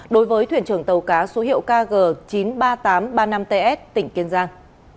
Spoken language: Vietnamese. đối với thuyền trưởng tàu cá số hiệu kg chín mươi ba nghìn tám trăm ba mươi năm ts tỉnh kiên giang